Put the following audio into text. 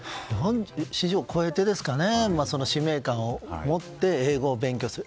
４０を超えて使命感を持って英語を勉強する。